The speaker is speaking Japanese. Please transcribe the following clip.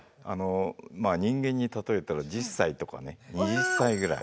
人間に例えたら１０歳とかね２０歳ぐらい。